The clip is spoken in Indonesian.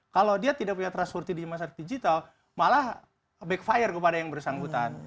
kalau dia tidak punya trustworty di masyarakat digital malah backfire kepada yang bersangkutan